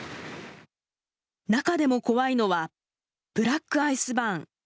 中でも怖いのはブラックアイスバーン。